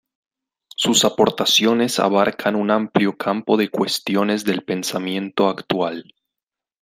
Sus aportaciones abarcan un amplio campo de cuestiones del pensamiento actual.